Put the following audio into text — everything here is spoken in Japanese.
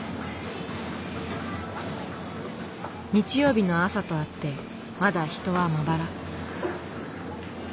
日曜日の朝とあってまだ人はまばら。